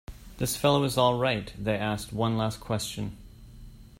“This fellow is all right.” They asked one last question.